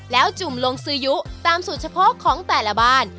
แล้วจุ่มลงซื้อยุตามสูตรเฉพาะของแต่ละบ้าน